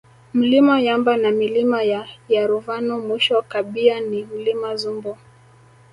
Mlima Yamba na Milima ya Yaruvano mwisho kabia ni Mlima Zumbu